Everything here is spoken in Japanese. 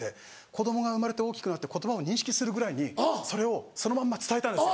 子供が生まれて大きくなって言葉を認識するぐらいにそれをそのまんま伝えたんです。